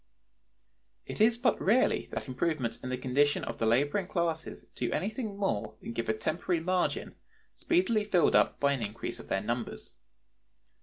It is but rarely that improvements in the condition of the laboring classes do anything more than give a temporary margin, speedily filled up by an increase of their numbers.